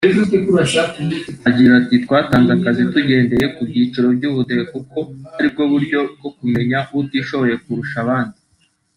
Agira ati“Twatanze akazi tugendeye ku byiciro by’ubudehe kuko aribwo buryo bwo kumenya utishoboye kurusha abandi